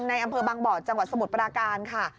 อำเภอบางบ่อจังหวัดสมุทรปราการค่ะ